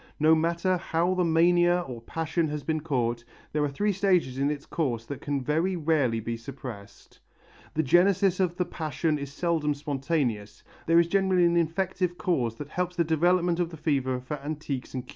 No matter how the mania or passion has been caught, there are three stages in its course that can very rarely be suppressed. The genesis of the passion is seldom spontaneous, there is generally an infective cause that helps the development of the fever for antiques and curios.